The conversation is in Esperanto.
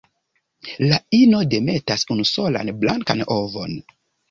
La ino demetas unusolan blankan ovon.